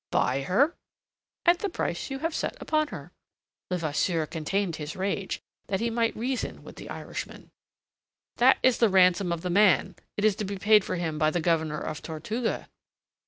"Buy her?" "At the price you have set upon her." Levasseur contained his rage, that he might reason with the Irishman. "That is the ransom of the man. It is to be paid for him by the Governor of Tortuga."